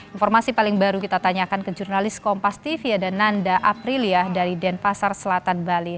informasi paling baru kita tanyakan ke jurnalis kompas tv ada nanda aprilia dari denpasar selatan bali